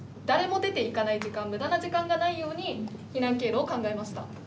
誰も出ていかない時間無駄な時間がないように避難経路を考えました。